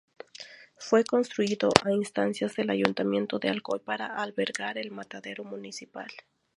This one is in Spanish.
Fue construido a instancias del Ayuntamiento de Alcoy para albergar el matadero municipal.